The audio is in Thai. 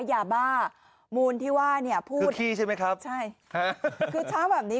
ยาบ้ามูลที่ว่าเนี่ยพูดขี้ใช่ไหมครับใช่ค่ะคือเช้าแบบนี้